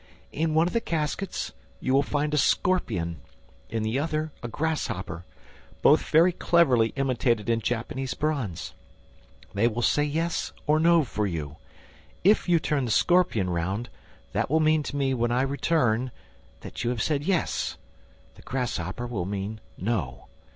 In one of the caskets, you will find a scorpion, in the other, a grasshopper, both very cleverly imitated in Japanese bronze: they will say yes or no for you. If you turn the scorpion round, that will mean to me, when I return, that you have said yes. The grasshopper will mean no.'